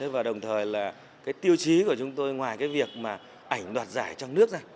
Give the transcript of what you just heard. và đồng thời là cái tiêu chí của chúng tôi ngoài cái việc mà ảnh đoạt giải trong nước ra